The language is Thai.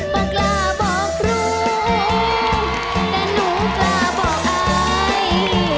บอกกล้าบอกครูแต่หนูกล้าบอกอาย